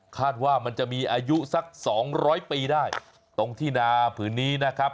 คาดว่ามันจะมีอายุสักสองร้อยปีได้ตรงที่นาผืนนี้นะครับ